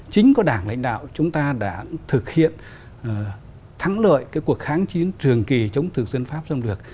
chính có đảng lãnh đạo chúng ta đã thực hiện thắng lợi cuộc kháng chiến trường kỳ chống thực dân pháp xâm lược